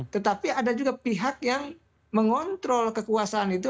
tetapi ada juga pihak yang mengontrol kekuasaan itu